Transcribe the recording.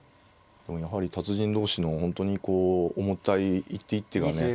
やはり達人同士の本当にこう重たい一手一手がね